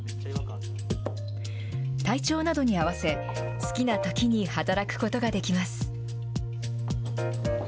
体調などに合わせ、好きなときに働くことができます。